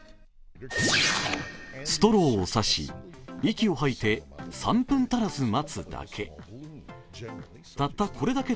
ストローを刺し息を吐いて３分足らず待つだけ。